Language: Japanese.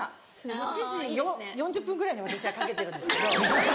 ７時４０分ぐらいに私はかけてるんですけど。